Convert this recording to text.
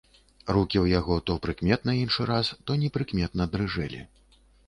Рукі ў яго то прыкметна іншы раз, то непрыкметна дрыжэлі.